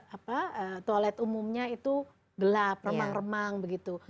apa toilet umumnya itu gelap remang remang begitu